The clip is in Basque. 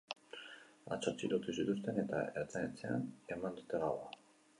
Atzo atxilotu zituzten, eta ertzain-etxean eman dute gaua.